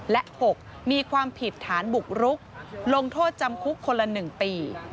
และ๖มีความผิดฐานบุกรุกลงโทษจำคุกคนละ๑ปี